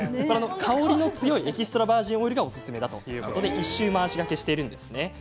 香りの強いエキストラバージンオイルがおすすめで１周回しがけしています。